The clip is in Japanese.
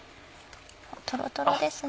トロトロですね。